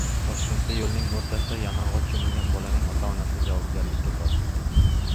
Toshkentda yo‘lning o‘rtasida yalang‘och cho‘milgan bolaning ota-onasi javobgarlikka tortildi